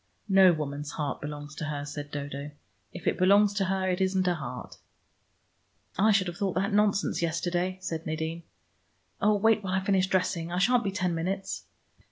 "No woman's heart belongs to her," said Dodo. "If it belongs to her, it isn't a heart." "I should have thought that nonsense yesterday," said Nadine. "Oh, wait while I finish dressing; I shan't be ten minutes.